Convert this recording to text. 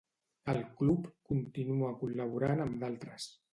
El club continua col·laborant amb d'altres.